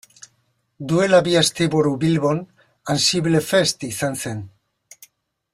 Duela bi asteburu Bilbon AnsibleFest izan zen.